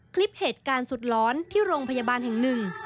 คลิปเหตุการณ์สุดร้อนที่โรงพยาบาลแห่งหนึ่ง